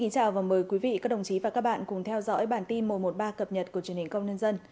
chào mừng quý vị đến với bản tin một trăm một mươi ba cập nhật của truyền hình công nhân dân